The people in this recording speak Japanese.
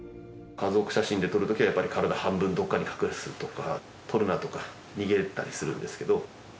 家族写真で撮る時はやっぱり体半分どっかに隠すとか撮るなとか逃げたりするんですけど。